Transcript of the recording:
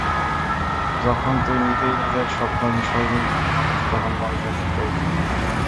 যখন তুই নিজেই নিজের স্বপ্ন বিসর্জন দিবি, মানুষ তখন মরে যায় ভিতর থেকে।